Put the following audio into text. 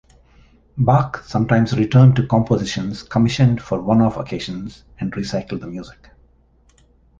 Bach sometimes returned to compositions commissioned for one-off occasions and recycled the music.